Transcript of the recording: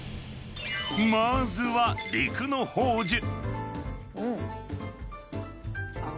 ［まずは陸乃宝珠］